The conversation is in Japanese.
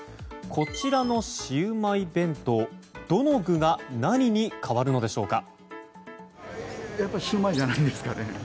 こちらのシウマイ弁当どの具が何に変わるのでしょうか。